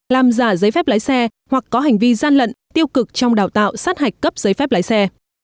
làm giả giấy phép lái xe hoặc có hành vi gian lận tiêu cực trong đào tạo sát hạch cấp giấy phép lái xe